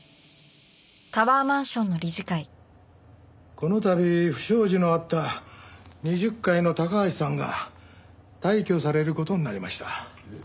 この度不祥事のあった２０階の高橋さんが退去される事になりました。